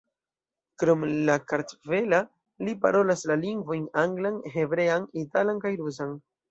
Krom la kartvela, li parolas la lingvojn anglan, hebrean, italan kaj rusan.